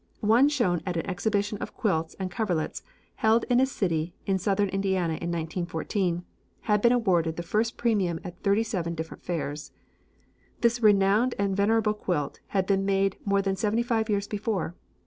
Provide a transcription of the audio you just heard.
One shown at an exhibition of quilts and coverlets, held in a city in southern Indiana in 1914, had been awarded the first premium at thirty seven different fairs. This renowned and venerable quilt had been made more than seventy five years before.